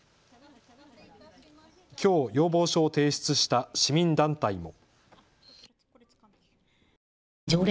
きょう、要望書を提出した市民団体も。